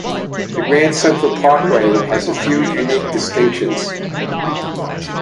The Grand Central Parkway has a few unique distinctions.